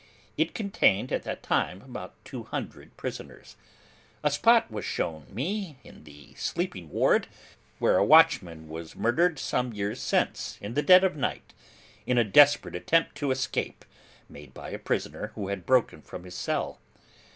It contained at that time about two hundred prisoners. A spot was shown me in the sleeping ward, where a watchman was murdered some years since in the dead of night, in a desperate attempt to escape, made by a prisoner who had broken from his cell.